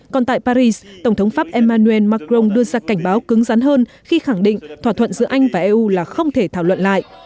còn tại paris tổng thống pháp emmanuel macron đưa ra cảnh báo cứng rắn hơn khi khẳng định thỏa thuận giữa anh và eu là không thể thảo luận lại